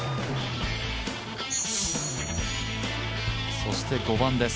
そして５番です。